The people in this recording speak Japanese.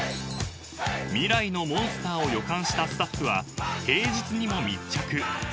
［未来のモンスターを予感したスタッフは平日にも密着］